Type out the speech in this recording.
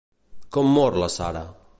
Com mor la Sarah?